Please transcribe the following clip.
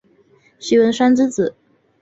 徐文铨之子。